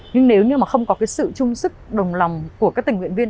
nhưng nếu như mà không có cái sự chung sức đồng lòng của các tình nguyện viên